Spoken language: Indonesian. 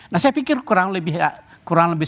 nah saya pikir kurang lebih